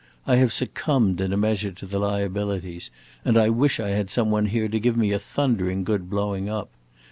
I have succumbed, in a measure, to the liabilities, and I wish I had some one here to give me a thundering good blowing up.